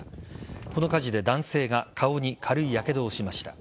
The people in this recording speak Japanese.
この火事で男性が顔に軽いやけどをしました。